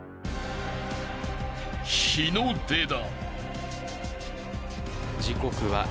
［日の出だ］